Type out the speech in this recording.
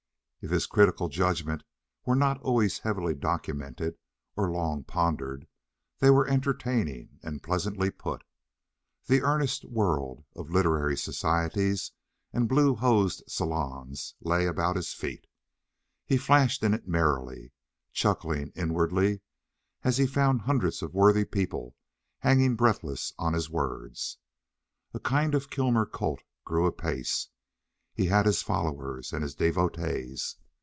If his critical judgments were not always heavily documented or long pondered, they were entertaining and pleasantly put. The earnest world of literary societies and blue hosed salons lay about his feet; he flashed in it merrily, chuckling inwardly as he found hundreds of worthy people hanging breathless on his words. A kind of Kilmer cult grew apace; he had his followers and his devotees.